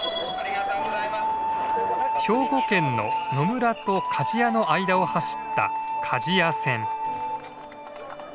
兵庫県の野村と鍛冶屋の間を走った鍛冶屋線。